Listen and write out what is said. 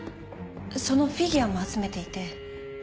そのフィギュアも集めていて。